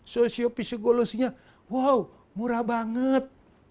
sosio psikologinya wow murah banget